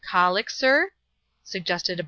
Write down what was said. ^' Colic, sir ?^ suggested a\>7 «.